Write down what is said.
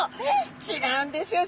違うんですよ